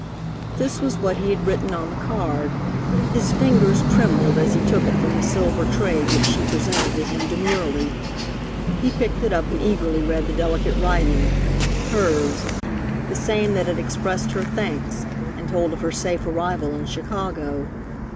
This was what he had written on the card. His fingers trembled as he took it from the silver tray which she presented to him demurely. He picked it up and eagerly read the delicate writing hers the same that had expressed her thanks and told of her safe arrival in Chicago.